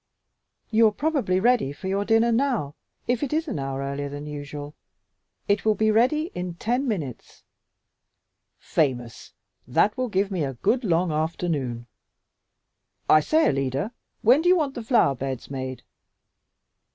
"You're probably ready for your dinner now, if it is an hour earlier than usual. It will be ready in ten minutes." "Famous! That will give me a good long afternoon. I say, Alida, when do you want the flower beds made?"